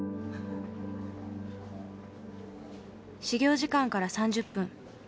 始業時間から３０分。